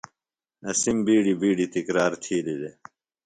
اسِم بِیڈیۡ بِیڈیۡ تِکرار تِھیلیۡ دےۡ۔